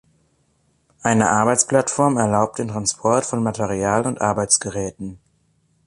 Eine Arbeitsplattform erlaubt den Transport von Material und Arbeitsgeräten.